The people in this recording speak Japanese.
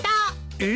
えっ？